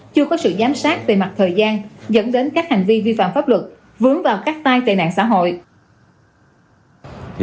chưa có sự giám sát về mặt thời gian dẫn đến các hành vi vi phạm pháp luật